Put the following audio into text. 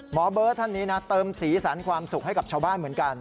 เบิร์ตท่านนี้นะเติมสีสันความสุขให้กับชาวบ้านเหมือนกัน